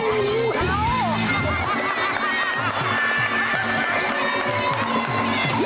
เกิด